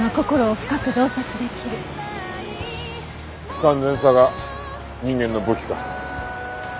不完全さが人間の武器か。